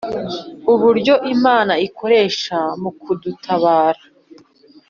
uburyo Imana ikoresha mu kudutabara,